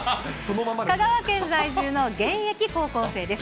香川県在住の現役高校生です。